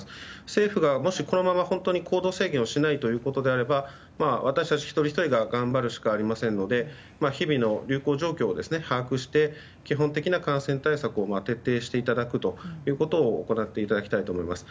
政府がもしこのまま本当に行動制限をしないのであれば私たち一人ひとりが頑張るしかありませんので日々の流行状況を把握して基本的な感染対策を徹底していただくということを行っていただきたいと思います。